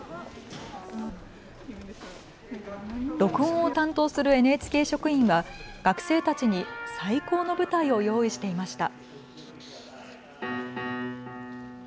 録音を担当するＮＨＫ職員は学生たちに最高の舞台を用意していました。